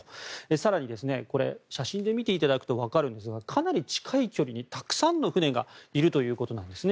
更に写真で見ていただくとわかるんですがかなり近い距離にたくさんの船がいるということなんですね。